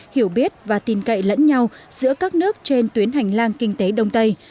hiểu biết và tin cậy lẫn nhau giữa các nước trên tuyến hành lang kinh tế đông tây